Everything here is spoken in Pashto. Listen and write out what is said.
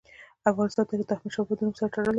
د افغانستان تاریخ د احمد شاه بابا د نوم سره تړلی دی.